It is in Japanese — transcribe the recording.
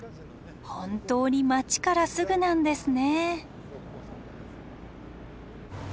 本当に街からすぐなんですね。